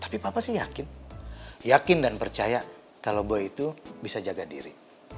tapi papa sih yakin yakin dan percaya kalau gue itu bisa jaga diri